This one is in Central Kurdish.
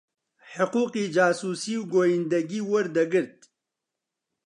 حقووقی جاسووسی و گوویندەگی وەردەگرت